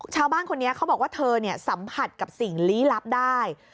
ชาวบ้านคนนี้เขาบอกว่าเธอสัมผัสกับสิ่งลี้ลับได้